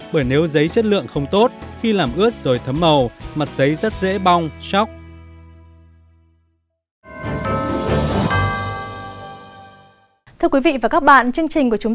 bởi nếu giấy chất lượng không tốt khi làm ướt rồi thấm màu mặt giấy rất dễ bong chóc